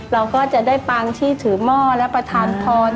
เราก็จะได้ปางที่ถือหม้อและประธานพร